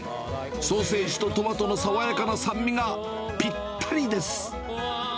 ソーセージとトマトの爽やかな酸味がぴったりです。